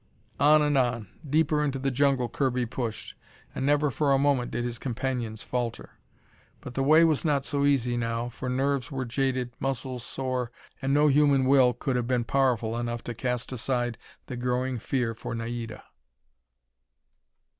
On and on, deeper into the jungle Kirby pushed, and never for a moment did his companions falter. But the way was not so easy now, for nerves were jaded, muscles sore, and no human will could have been powerful enough to cast aside the growing fear for Naida.